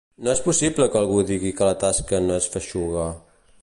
No és possible que algú digui que la tasca no és feixuga….